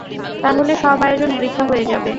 তাহলে সব আয়োজন বৃথা হয়ে যাবে।